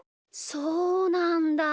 そうなんだ。